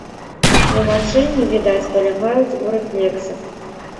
Тлумачэнні, відаць, палягаюць у рэфлексах.